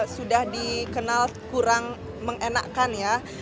sudah dikenal kurang mengenakan ya